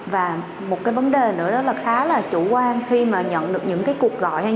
và một cái vấn đề nữa đó là khá là chủ quan khi mà nhận được những cái cuộc gọi